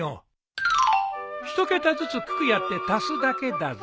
一桁ずつ九九やって足すだけだぞ。